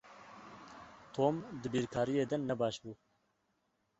Tom di bîrkariyê de ne baş bû.